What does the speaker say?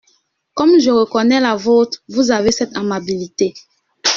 Comme je reconnais la vôtre ! Vous avez cette amabilité.